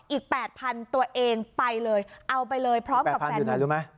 อีกแปดพันตัวเองไปเลยเอาไปเลยพร้อมกับแฟนแปดพันอยู่ไหนรู้ไหม